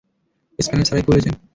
Spanner ছাড়াই খুলছেন?